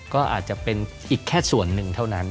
ก็อาจจะเป็นอีกแค่ส่วนหนึ่งเท่านั้น